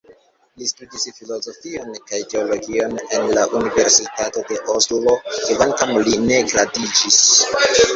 Li studis filozofion kaj teologion en la Universitato de Oslo, kvankam li ne gradiĝis.